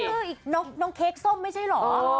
อีกน้องเค้กส้มไม่ใช่เหรอ